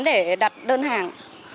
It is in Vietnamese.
để đặt đơn hàng